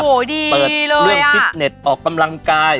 เปิดเรื่องฟิตเน็ตออกกำลังกาย